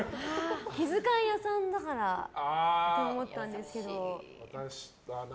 気遣い屋さんだからと思ったんですけど。